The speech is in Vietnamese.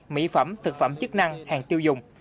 mỹ phẩm thực phẩm chức năng hàng tiêu dùng